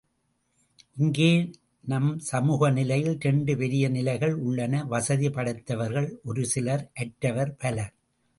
இங்கே நம் சமூக நிலையில் இரண்டு பெரிய நிலைகள் உள்ளன வசதி படைத்தவர்கள் ஒருசிலர் அற்றவர் பலர்.